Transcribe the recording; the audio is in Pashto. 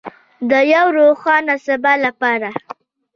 د یو روښانه سبا لپاره.